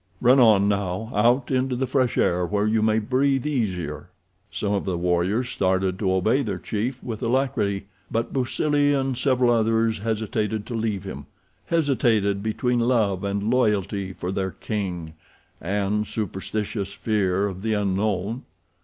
Run on now, out into the fresh air where you may breathe easier." Some of the warriors started to obey their chief with alacrity, but Busuli and several others hesitated to leave him—hesitated between love and loyalty for their king, and superstitious fear of the unknown.